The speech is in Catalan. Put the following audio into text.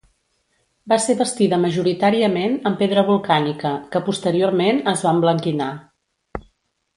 Va ser bastida majoritàriament amb pedra volcànica, que posteriorment es va emblanquinar.